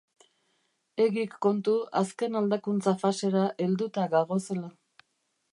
Egik kontu azken aldakuntza-fasera helduta gagozela.